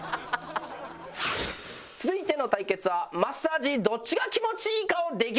続いての対決はマッサージどっちが気持ちいい顔できるか対決！